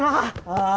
ああ。